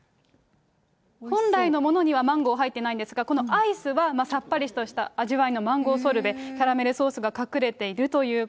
本来のものにはマンゴー入ってないんですが、このアイスは、さっぱりとした味わいのマンゴーソルベ、キャラメルソースが隠れていると。